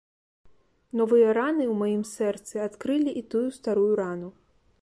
Новыя раны ў маім сэрцы адкрылі і тую старую рану.